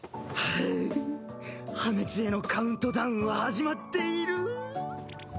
はぁ破滅へのカウントダウンは始まっている。